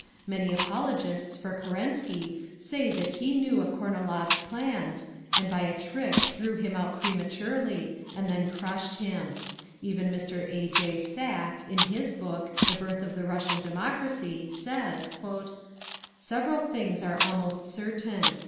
Many apologists for Kerensky say that he knew of Kornilov's plans, and by a trick drew him out prematurely, and then crushed him. Even Mr. A. J. Sack, in his book, "The Birth of the Russian Democracy," says: "Several things… are almost certain.